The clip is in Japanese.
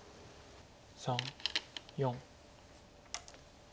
３４。